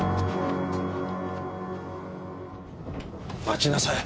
待ちなさい。